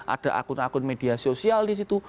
ada akun akun media sosial disitu